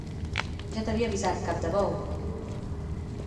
Ja t'havia avisat, cap de bou!